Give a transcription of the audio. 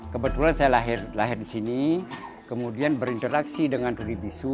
kebetulan saya lahir di sini kemudian berinteraksi dengan ruli bisu